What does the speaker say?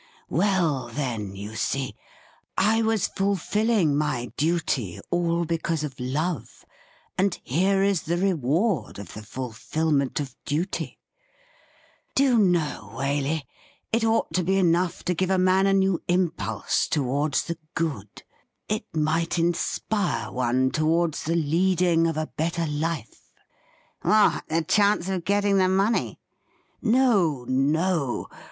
' Well, then, you see, I was fulfilling my duty all be cause of love, and here is the reward of the fulfilment of duty ! Do you know, Waley, it ought to be enough to give a man a new impulse towards the good. It might inspire one towards the leading of a better life.' ' What, the chance of getting the money i" ' No, no